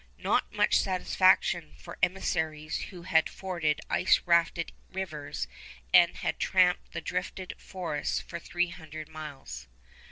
Not much satisfaction for emissaries who had forded ice rafted rivers and had tramped the drifted forests for three hundred miles.